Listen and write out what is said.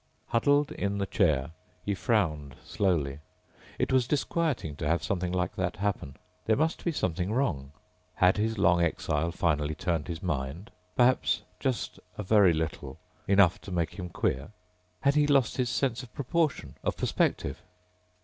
Huddled in the chair, he frowned slowly. It was disquieting to have something like that happen. There must be something wrong. Had his long exile finally turned his mind ... perhaps just a very little ... enough to make him queer? Had he lost his sense of proportion, of perspective?